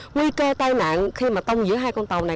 nguy cơ tai nạn khi mà tông giữa hai con tàu này